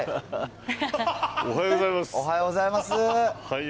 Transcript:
おはようございます。